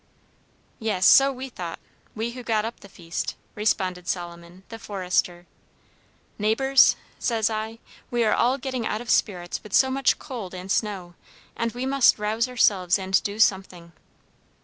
"Yes, so we thought, we who got up the feast," responded Solomon, the forester. "'Neighbors,' says I, 'we are all getting out of spirits with so much cold and snow, and we must rouse ourselves and do something.'